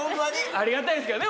ありがたいですけどね